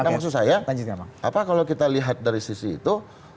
nah maksud saya kalau kita lihat dari sisi itu